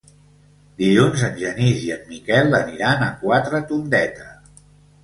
Dilluns en Genís i en Miquel aniran a Quatretondeta.